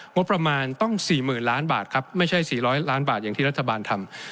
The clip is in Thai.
งบประมาณต้อง๔๐๐๐ล้านบาทครับไม่ใช่๔๐๐ล้านบาทอย่างที่รัฐบาลทำ